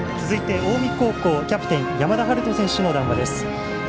続いて、近江高校キャプテン山田陽翔選手の談話です。